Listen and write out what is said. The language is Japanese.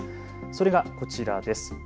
それがこちらです。